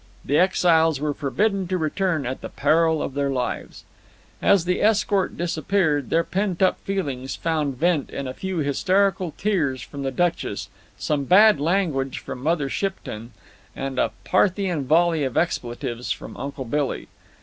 The exiles were forbidden to return at the peril of their lives. As the escort disappeared, their pent up feelings found vent in a few hysterical tears from the Duchess, some bad language from Mother Shipton, and a Parthian volley of expletives from Uncle Billy.